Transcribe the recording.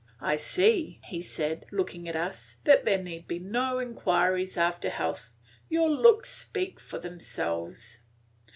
I see," he said, looking at us, "that there need be no inquiries after health; your looks speak for themselves."